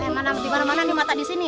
eh mana dimana mana nih mata di sini